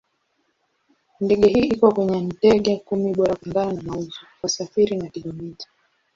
Ndege hii iko kwenye ndege kumi bora kulingana na mauzo, wasafiri na kilomita.